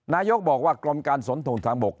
นายกบอกว่ากรมการสนถูกทางบก